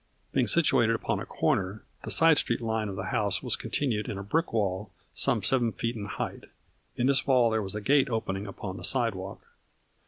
Being situated upon a corner, the side street line of the house was continued in a brick wall some seven feet in height. In this wall there was a gate opening upon the sidewalk.